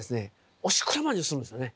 おしくらまんじゅうするんですよね。